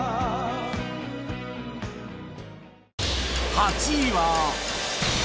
８位は